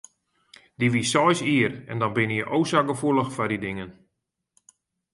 Dy wie seis jier en dan binne je o sa gefoelich foar dy dingen.